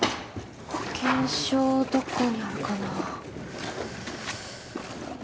保険証どこにあるかな？